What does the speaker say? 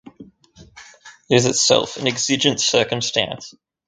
It is itself an exigent circumstance.